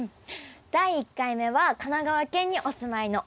第１回目は神奈川県にお住まいの小野さんです。